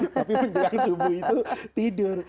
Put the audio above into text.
tapi menjelang subuh itu tidur